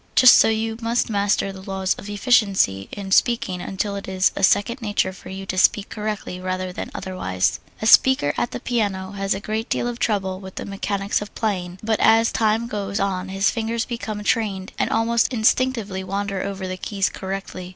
Just so you must master the laws of efficiency in speaking until it is a second nature for you to speak correctly rather than otherwise. A beginner at the piano has a great deal of trouble with the mechanics of playing, but as time goes on his fingers become trained and almost instinctively wander over the keys correctly.